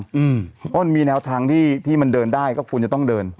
เพราะมันมีแนวทางที่มันเดินได้ก็ควรจะต้องเดิน